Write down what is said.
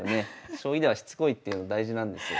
将棋ではしつこいっていうの大事なんですよ。